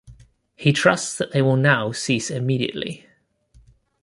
He trusts that they will now cease immediately.